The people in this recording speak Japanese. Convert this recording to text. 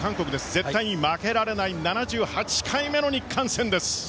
絶対に負けられない７８回目の日韓戦です。